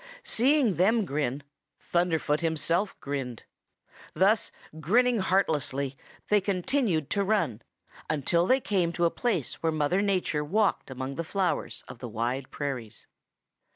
Seeing them grin, Thunderfoot himself grinned. Thus grinning heartlessly, they continued to run until they came to a place where Mother Nature walked among the flowers of the Wide Prairies.